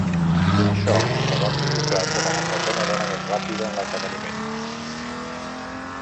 Això la va col·locar com a la setena dona més ràpida en l'esdeveniment.